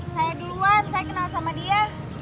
saya duluan saya kenal sama dia